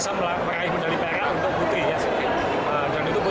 hampir semua itu adalah alumni dari honda dbl